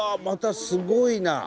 またすごいな。